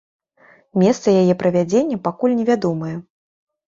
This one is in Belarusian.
Месца яе правядзення пакуль невядомае.